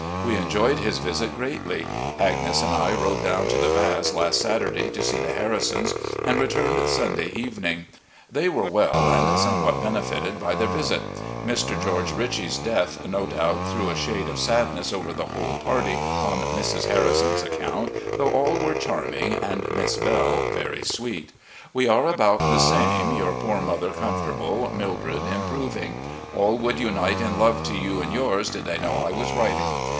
We enjoyed his visit greatly. Agnes and I rode down to the Baths last Satur^y to see the Harrisons, and returned Sunday evening. They were well, and somewhat benefited by their visit. Mr. George Ritchie's death no doubt threw a shade of sadness over the whole party on Mrs. Harrison's 328 RECOLLECTIONS OF GENERAL LEE account, though all were charming and Miss Belle very sweet. We are about the same — ^yotm poor mother comfortable, Mildred improving. All would \tnite in love to you and yours, did they know I was writing.